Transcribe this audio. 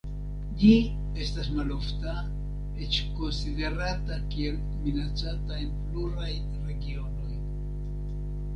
Ĝi estas malofta, eĉ konsiderata kiel minacata en pluraj regionoj.